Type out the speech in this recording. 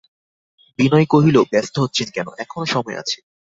বিনয় কহিল, ব্যস্ত হচ্ছেন কেন– এখনো সময় আছে।